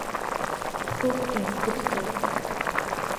福岡県福智町